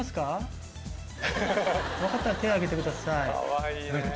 分かったら手あげてください